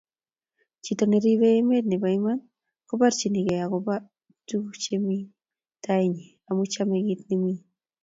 Chito neribe emet nebo iman koborchinige agoba tuguk chemi tainyin, amu chame kiit nemi